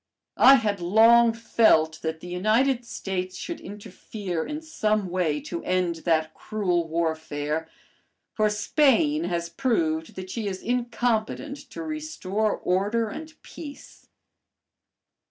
I had long felt that the United States should interfere in some way to end that cruel warfare, for Spain has proved that she is incompetent to restore order and peace.